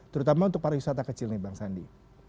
terutama untuk pariwisata kecil nih bang sandi